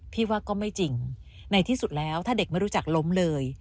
พี่ว่าก็ไม่จริงในที่สุดแล้วถ้าเด็กไม่รู้จักล้มเลย